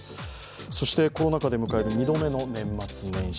そしてコロナ禍で迎える２度目の年末年始。